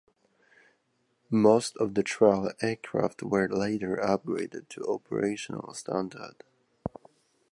Most of the trial aircraft were later upgraded to operational standard.